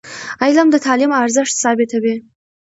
علم د تعلیم ارزښت ثابتوي.